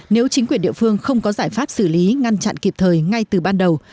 nếu chính quyền địa phương không có giải pháp xử lý ngăn chặn kịp thời ngay từ ban đầu